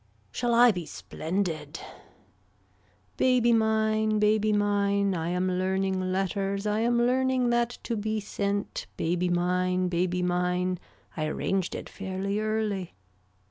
Shall I be splendid. Baby mine baby mine I am learning letters I am learning that to be sent baby mine baby mine I arranged it fairly early.